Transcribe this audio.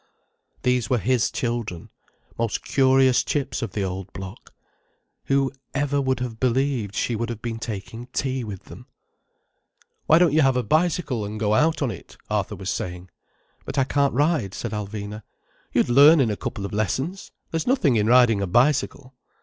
These were his children—most curious chips of the old block. Who ever would have believed she would have been taking tea with them. "Why don't you have a bicycle, and go out on it?" Arthur was saying. "But I can't ride," said Alvina. "You'd learn in a couple of lessons. There's nothing in riding a bicycle."